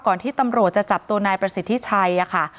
ที่ตำรวจจะจับตัวนายประสิทธิชัยค่ะ